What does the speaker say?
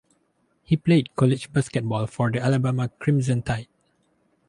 He played college basketball for the Alabama Crimson Tide.